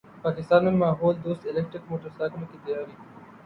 پاکستان میں ماحول دوست الیکٹرک موٹر سائیکلوں کی تیاری